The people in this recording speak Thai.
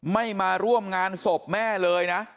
ไม่มาร่วมงานศพแม่เลยนะ